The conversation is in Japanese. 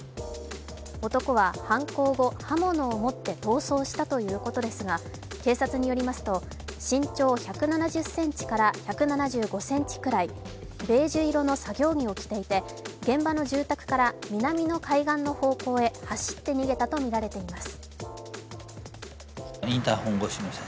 男は犯行後、刃物を持って逃走したということですが警察によりますと、身長１７０ｃｍから１７５ｃｍくらい、ベージュ色の作業着を着ていて現場の住宅から南の海岸の方向へ走って逃げたとみられています。